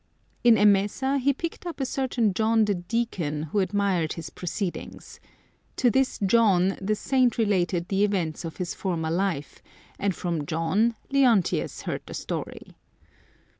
In Emesa he picked up a certain John the Deacon, who admired his proceedings. To this John, the saint related the events of his former life ; and from John Leontius heard the story.